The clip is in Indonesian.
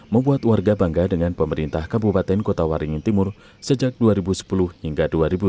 membuat warga bangga dengan pemerintah kabupaten kota waringin timur sejak dua ribu sepuluh hingga dua ribu dua puluh